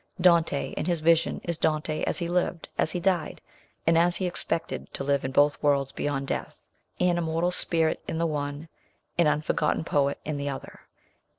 Dante in his vision is Dante as he lived, as he died, and as he expected to live in both worlds beyond death an immortal spirit in the one, an unforgotten poet in the other.